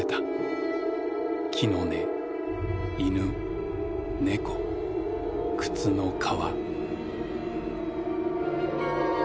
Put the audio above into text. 木の根犬猫靴の革。